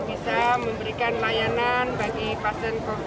bisa memberikan layanan bagi pasien kofi sembilan belas maka sebetulnya proses untuk